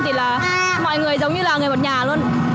thì là mọi người giống như là người một nhà luôn